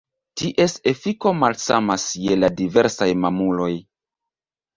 Ties efiko malsamas je la diversaj mamuloj.